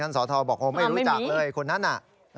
ท่านสอทอบอกโอ้ไม่รู้จักเลยคนนั้นน่ะ